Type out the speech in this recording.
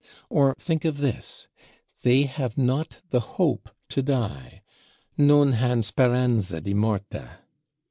Or think of this: "They have not the hope to die, Non han speranza di morte."